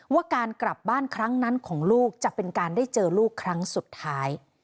ว่าการกลับบ้านครั้งนั้นของลูกจะเป็นการได้เจอลูกครั้งสุดท้าย